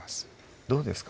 どうですか？